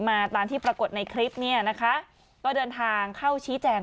มาตามที่ปรากฏในคลิปเนี่ยนะคะก็เดินทางเข้าชี้แจง